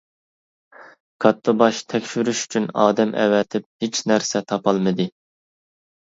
كاتتىباش تەكشۈرۈش ئۈچۈن ئادەم ئەۋەتىپ ھېچ نەرسە تاپالمىدى.